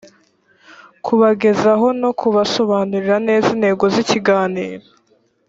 kubagezaho no kubasobanurira neza intego z ikiganiro